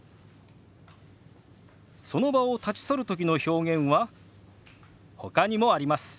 その場を立ち去るときの表現はほかにもあります。